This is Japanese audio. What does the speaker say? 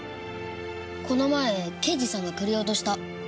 この前刑事さんがくれようとした。